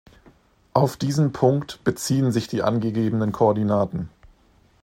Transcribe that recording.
Auf diesen Punkt beziehen sich die angegebenen Koordinaten.